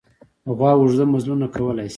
غوا اوږده مزلونه کولی شي.